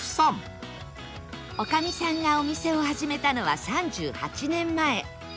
おかみさんがお店を始めたのは３８年前